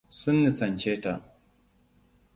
Sun nisance ta.